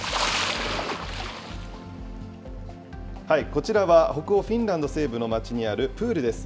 こちらは北欧、フィンランド西部の町にあるプールです。